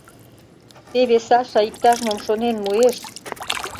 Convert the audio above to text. — Теве Саша иктаж-мом шонен муэш.